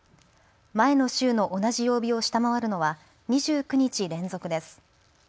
前の週の同じ曜日を下回るのは２９日連続です。